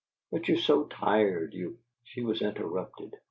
"But you are so tired, you " She was interrupted.